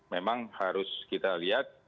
memang harus kita lihat